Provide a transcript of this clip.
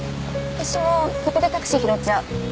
私もそこでタクシー拾っちゃう。